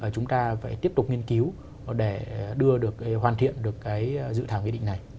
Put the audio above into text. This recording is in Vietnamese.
chúng ta phải tiếp tục nghiên cứu để đưa được hoàn thiện được cái dự thảo nghị định này